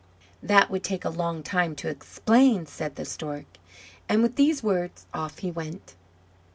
"That would take a long time to explain," said the Stork, and with these words off he went.